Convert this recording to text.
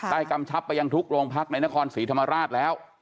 กำชับไปยังทุกโรงพักในนครศรีธรรมราชแล้ว